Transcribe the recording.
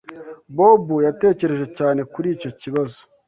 Bob yatekereje cyane kuri icyo kibazo.